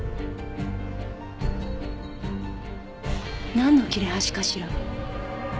なんの切れ端かしら？